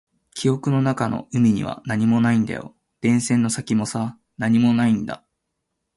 記憶の中の海には何もないんだよ。電線の先もさ、何もないんだ。